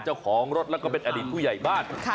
เจ้าของรถแล้วก็เป็นอดีตผู้ใหญ่บ้าน